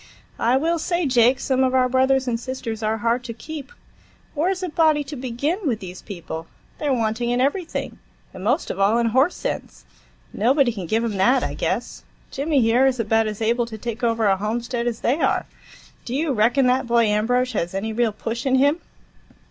"I will say, Jake, some of our brothers and sisters are hard to keep. Where's a body to begin, with these people? They're wanting in everything, and most of all in horse sense. Nobody can give 'em that, I guess. Jimmy, here, is about as able to take over a homestead as they are. Do you reckon that boy Ambrosch has any real push in him?"